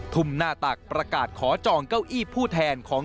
ทุ่มหน้าตักประกาศขอจองเก้าอี้ผู้แทนของ